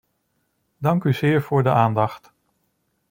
Dank u zeer voor de aandacht.